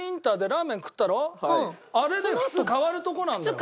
あれで普通代わるとこなんだよ。